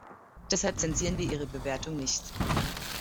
Deshalb zensieren wir ihre Bewertung nicht.